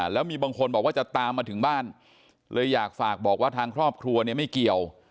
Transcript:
แล้วมีบางคนบอกว่าจะตามมาถึงบ้านเลยอยากฝากบอกว่าทางครอบครัวเนี่ยไม่เกี่ยว